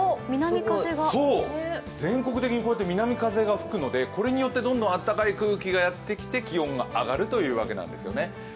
全国的に南風が吹くのでこれによってあったかい空気がやって来て気温が上がるというわけなんですね。